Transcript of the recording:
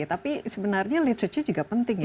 tapi sebenarnya literatur juga penting ya